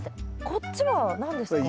こっちは何ですか？